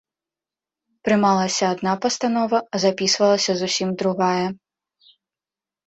Прымалася адна пастанова, а запісвалася зусім другая.